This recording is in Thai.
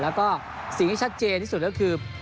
แล้วก็สิ่งที่ชัดเจนที่สุดก็คือ